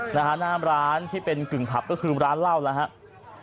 นะฮะน้ำร้านที่เป็นกึ่งพับก็คือร้านเหล้านะครับ